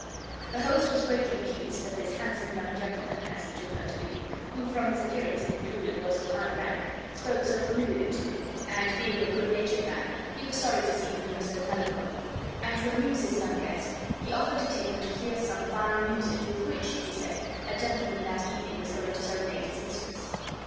The host was greatly pleased that this handsome young gentleman (as he took her to be), who from his appearance be concluded was of high rank, spoke so familiarly to him, and, being a good natured man, he was sorry to see him look so melancholy; and to amuse his young guest he offered to take him to hear some fine music, with which, he said, a gentleman that evening was going to serenade his mistress.